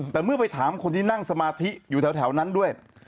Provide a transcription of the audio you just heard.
แต่เมื่อไปถามคนที่นั่งสมาธิอยู่แถวนั้นด้วย